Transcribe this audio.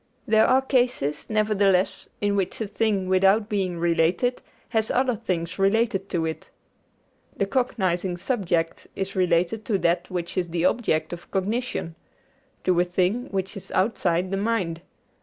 There are cases, nevertheless, in which a thing, without being related, has other things related to it. The cognizing subject is related to that which is the object of cognition to a thing which is outside the mind.